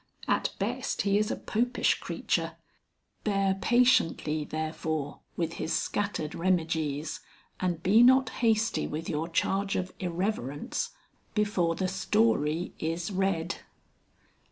At best he is a popish creature. Bear patiently, therefore, with his scattered remiges, and be not hasty with your charge of irreverence before the story is read.